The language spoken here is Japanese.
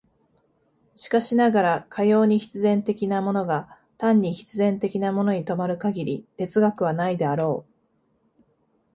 しかしながら、かように必然的なものが単に必然的なものに止まる限り哲学はないであろう。